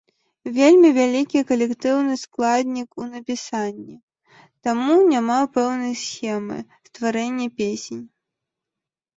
Вельмі вялікі калектыўны складнік у напісанні, таму няма пэўнай схемы стварэння песень.